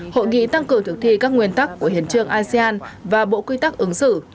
hội nghị tăng cường thực thi các nguyên tắc của hiến trương asean và bộ quy tắc ứng xử